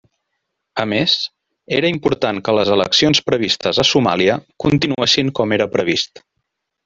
A més, era important que les eleccions previstes a Somàlia continuessin com era previst.